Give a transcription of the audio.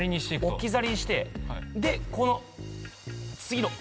置き去りにしてでこの次の大きな選手。